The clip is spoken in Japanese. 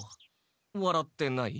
笑ってない？